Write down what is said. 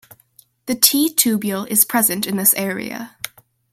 The T-tubule is present in this area.